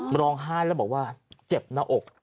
มันร้องไห้แล้วบอกว่าเจ็บหน้าอก